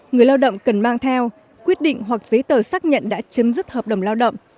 người lao động cần mang theo quyết định hoặc giấy tờ xác nhận đã chấm dứt hợp đồng lao động